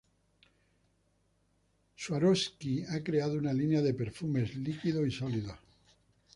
Swarovski ha creado una línea de perfumes líquidos y sólidos.